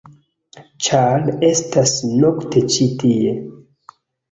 -ĉar estas nokte ĉi tie-.